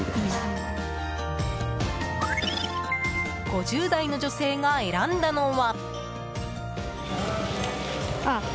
５０代の女性が選んだのは。